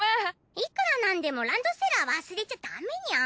いくらなんでもランドセルは忘れちゃだめニャン。